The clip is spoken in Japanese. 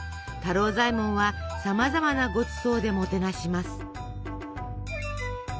太郎左衛門はさまざまなごちそうでもてなします。